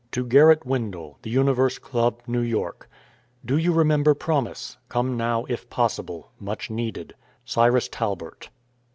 "To Gerrit Wendell, The Universe Club, New York: "Do you remember promise? Come now, if possible. Much needed. "Cyrus Talbert."